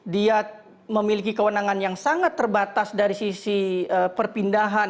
dia memiliki kewenangan yang sangat terbatas dari sisi perpindahan